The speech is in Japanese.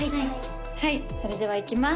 はいそれではいきます